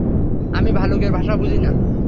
আমি ভালুকের ভাষা বুঝি না।